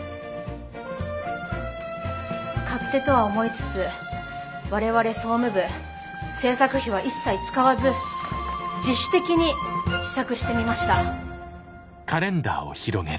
勝手とは思いつつ我々総務部制作費は一切使わず自主的に試作してみました。